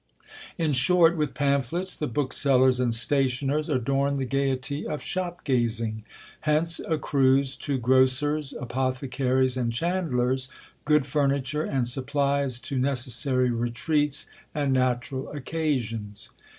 In short, with pamphlets the booksellers and stationers adorn the gaiety of shop gazing. Hence accrues to grocers, apothecaries, and chandlers, good furniture, and supplies to necessary retreats and natural occasions.